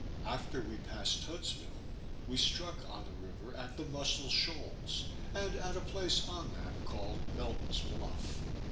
After we passed Huntsville, we struck on the river at the Muscle Shoals, and at a place on them called Melton's Bluff.